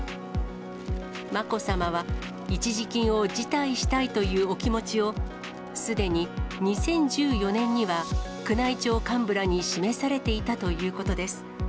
まこさまは、一時金を辞退したいというお気持ちを、すでに２０１４年には、宮内庁幹部らに示されていたということです。